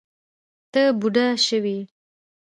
ته بوډه شوې